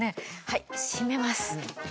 はい閉めます。